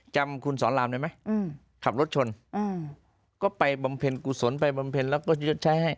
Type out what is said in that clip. จำคุณสอนรามได้ไหมขับรถชนก็ไปบำเพ็ญกุศลไปบำเพ็ญแล้วก็ชดใช้ให้